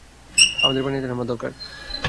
আমাদের পানিতে নামা দরকার।